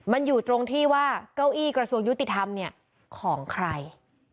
มันอยู่ตรงที่ว่าเก้าอี้กระทรวงยุติธรรมเนี่ยของใคร